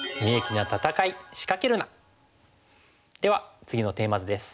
では次のテーマ図です。